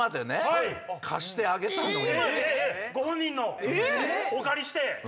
ご本人のお借りして。